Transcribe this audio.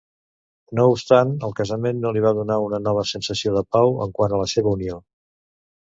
No obstant, el casament no li va donar una nova sensació de pau en quant a la seva unió.